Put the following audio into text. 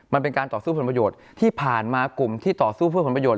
มันเป็นการต่อสู้ผลประโยชน์ที่ผ่านมากลุ่มที่ต่อสู้เพื่อผลประโยชน